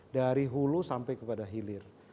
dari hulu sampai kepada hilir